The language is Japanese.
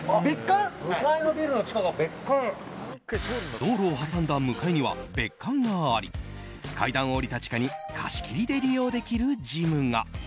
道路を挟んだ向かいには別館があり階段を下りた地下に貸し切りで利用できるジムが。